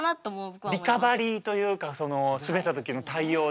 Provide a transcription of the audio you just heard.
リカバリーというかそのスベった時の対応で。